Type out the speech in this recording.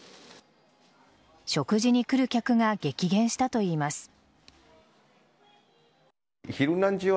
食事に来る客が激減したといいます。